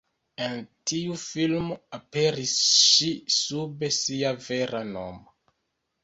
En tiu filmo aperis ŝi sub sia vera nomo.